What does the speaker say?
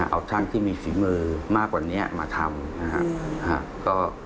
เอาช่างที่มีฝีมือมากกว่านี้มาทำนะครับ